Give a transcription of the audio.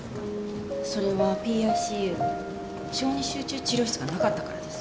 それはＰＩＣＵ小児集中治療室がなかったからです。